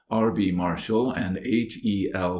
R. B. Marshall and H. E. L.